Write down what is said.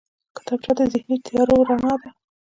کتابچه د ذهني تیارو رڼا ده